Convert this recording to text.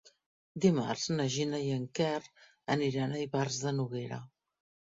Dimarts na Gina i en Quer aniran a Ivars de Noguera.